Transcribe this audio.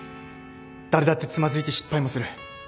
誰だってつまずいて失敗もする。